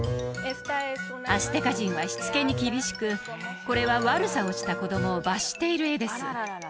アステカ人はしつけに厳しくこれは悪さをした子供を罰している絵です